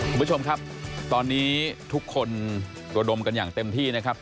คุณผู้ชมครับตอนนี้ทุกคนระดมกันอย่างเต็มที่นะครับ